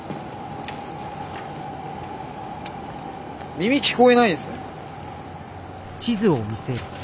耳聞こえないんすか？